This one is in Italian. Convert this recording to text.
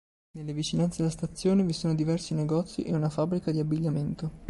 Nelle vicinanze della stazione vi sono diversi negozi e una fabbrica di abbigliamento.